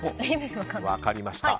分かりました。